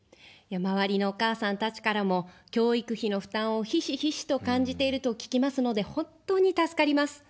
周りのお母さんたちからも、教育費の負担をひしひしと感じていると聞きますので、本当に助かります。